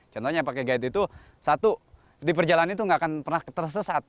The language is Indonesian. contohnya pakai guide itu satu di perjalanan itu nggak akan pernah tersesat